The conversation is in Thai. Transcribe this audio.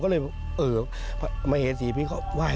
ก็เลยเออมาเหสีพี่เขาไหว้